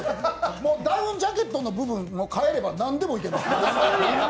ダウンジャケットの部分を変えればなんでもいけます。